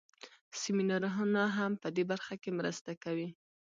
سمینارونه هم په دې برخه کې مرسته کوي.